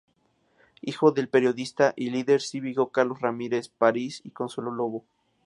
Hijo del periodista y líder cívico Carlos Ramírez París y Consuelo Lobo.